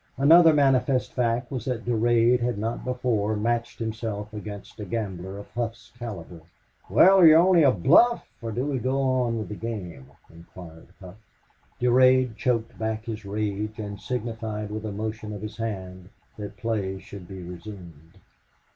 Another manifest fact was that Durade had not before matched himself against a gambler of Hough's caliber. "Well, are you only a bluff or do we go on with the game?" inquired Hough. Durade choked back his rage and signified with a motion of his hand that play should be resumed.